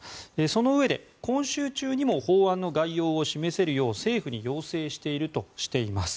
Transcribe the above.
そのうえで、今週中にも法案の概要を示せるよう政府に要請しているとしています。